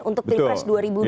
untuk pilpres dua ribu dua puluh